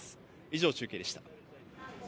以上、中継でした。